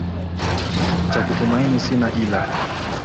Cha kutumaini sina ila